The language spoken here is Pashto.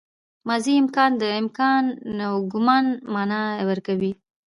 ماضي امکاني د امکان او ګومان مانا ورکوي.